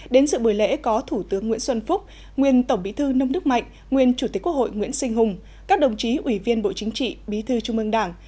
đến sự buổi lễ có thủ tướng nguyễn xuân phúc nguyên tổng bí thư nông đức mạnh nguyên chủ tịch quốc hội nguyễn sinh hùng các đồng chí ủy viên bộ chính trị bí thư trung ương đảng